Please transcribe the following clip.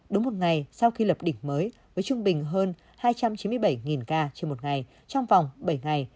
đúng một ngày sau khi lập đỉnh mới với trung bình hơn hai trăm chín mươi bảy ca trên một ngày trong vòng bảy ngày